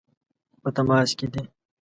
په تماس کې دي.